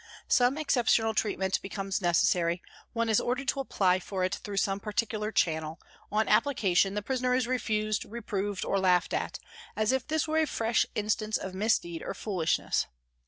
Some exceptional treat ment becomes necessary, one is ordered to apply for it through some particular channel, on application the prisoner is refused, reproved or laughed at, as if this were a fresh instance of misdeed or foolishness.